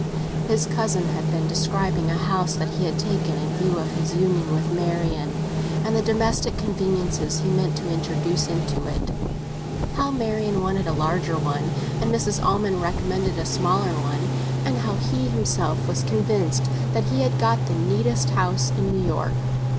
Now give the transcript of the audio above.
His cousin had been describing a house that he had taken in view of his union with Marian, and the domestic conveniences he meant to introduce into it; how Marian wanted a larger one, and Mrs. Almond recommended a smaller one, and how he himself was convinced that he had got the neatest house in New York.